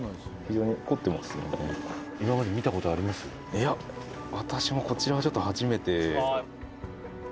「いや私もこちらはちょっと初めて」